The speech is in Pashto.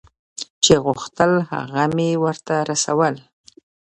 چې غوښتل هغه مې ورته رسول.